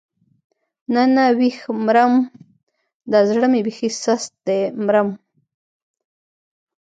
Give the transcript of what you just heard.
نه نه ويح مرم دا زړه مې بېخي سست دی مرم.